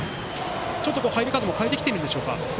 入り方も変えてきているんでしょうか？